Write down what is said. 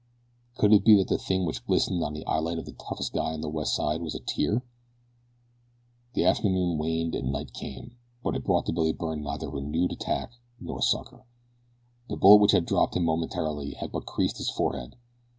Could it be that the thing which glistened on the eyelid of the toughest guy on the West Side was a tear? The afternoon waned and night came, but it brought to Billy Byrne neither renewed attack nor succor. The bullet which had dropped him momentarily had but creased his forehead.